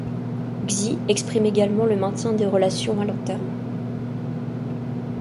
Xi exprime également le maintien des relations à long-terme.